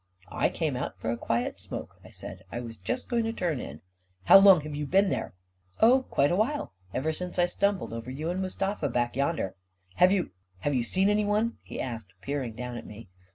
" I came out for a quiet smoke," I said. " I was just going to turn in." " How long have you been here ?"" Oh, quite a while. Ever since I stumbled over you and Mustafa back yonder." " Have you — have you seen anyone? " he asked, peering down at me.